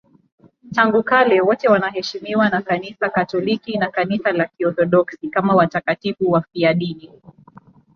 Tangu kale wote wanaheshimiwa na Kanisa Katoliki na Kanisa la Kiorthodoksi kama watakatifu wafiadini.